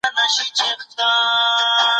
د چاپیریال ککړتیا ته باید بې پامه پاته نه سو.